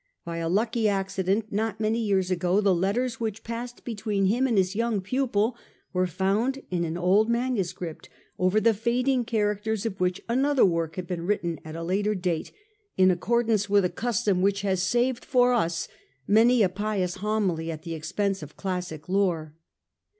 By a lucky accident, not many years ago, the letters which passed between him and his young pupil were found in an old manuscript, over the fading characters of which another work had been written at a later date, in accordance with a custom which has saved for us many a pious homily at the expense of classic lore.